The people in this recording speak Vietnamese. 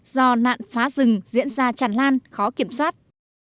do nạn phá rừng diễn ra tràn lan khó kiểm soát